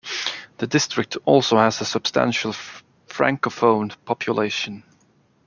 The district also has a substantial francophone population.